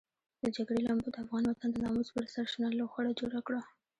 د جګړې لمبو د افغان وطن د ناموس پر سر شنه لوخړه جوړه کړه.